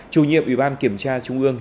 chủ nhiệm ủy ban kiểm tra trung ương